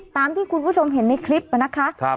ตามที่คุณผู้ชมเห็นในคลิปนะคะ